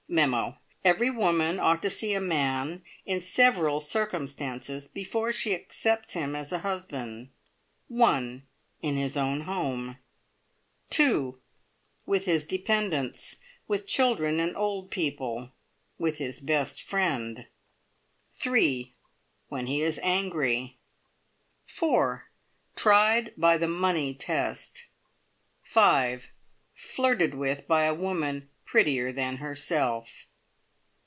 Mem. Every woman ought to see a man in several circumstances before she accepts him as a husband. 1. In his own home. 2. With his dependents. With children and old people. With his best friend. 3. When he is angry. 4. Tried by the money test. 5. Flirted with by a woman prettier than herself.